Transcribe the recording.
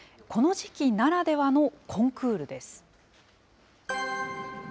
この時期ならではのコンクールです。